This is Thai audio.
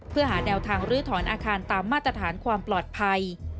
เพื่อหาแนวทางลื้อถอนอาคารตามมาตรฐานความปลอดภัย